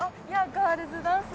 ガールズダンス？